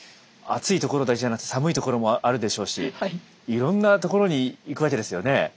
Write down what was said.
暑い所だけじゃなくて寒い所もあるでしょうしいろんな所に行くわけですよね。